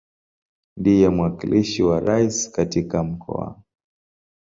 Ndiye mwakilishi wa Rais katika Mkoa.